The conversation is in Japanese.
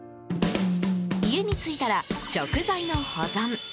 家に着いたら、食材の保存。